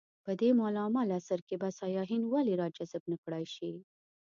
په دې مالامال عصر کې به سیاحین ولې راجذب نه کړای شي.